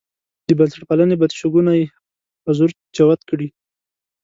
د بنسټپالنې بدشګونی حضور جوت کړي.